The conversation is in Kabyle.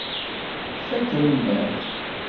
Fakk almad.